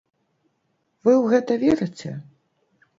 Вы ў гэта верыце?